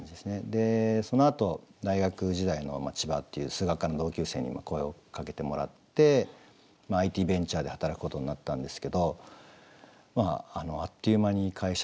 でそのあと大学時代の千葉っていう数学科の同級生に声をかけてもらってＩＴベンチャーで働くことになったんですけどあっという間に会社の経営が悪化してですね